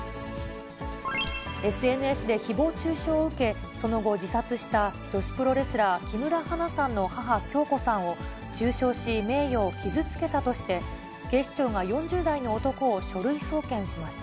ＳＮＳでひぼう中傷を受け、その後、自殺した女子プロレスラー、木村花さんの母、響子さんを中傷し名誉を傷つけたとして、警視庁が４０代の男を書類送検しました。